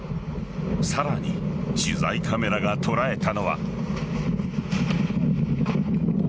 さらに取材カメラが捉えたのは。